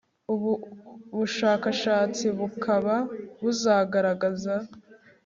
ubu bushakashatsi bukaba buzagaragaza